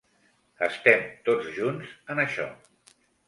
Estem tots junts en això.